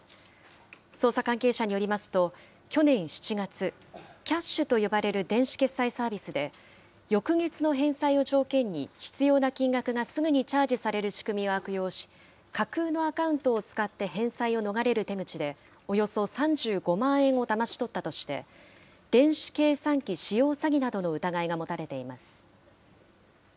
捜査関係者によりますと、去年７月、Ｋｙａｓｈと呼ばれる電子決済サービスで、翌月の返済を条件に必要な金額がすぐにチャージされる仕組みを悪用し、架空のアカウントを使って返済を逃れる手口で、およそ３５万円をだまし取ったとして、電子計算機使用詐欺などの疑いが持たれています。